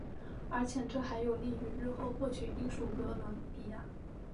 而且这还有利于日后获取英属哥伦比亚。